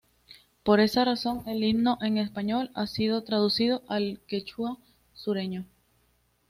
Por esa razón, el himno en español ha sido traducido al quechua sureño.